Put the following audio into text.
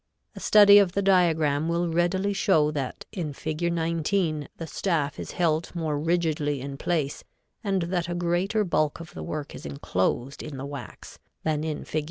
A study of the diagram will readily show that in Fig. 19 the staff is held more rigidly in place and that a greater bulk of the work is enclosed in the wax than in Fig.